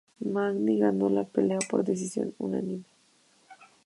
Magny ganó la pelea por decisión unánime.